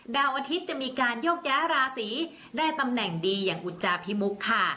ดาวอาทิตย์จะมีการโยกย้ายราศีได้ตำแหน่งดีอย่างอุจจาพิมุกค่ะ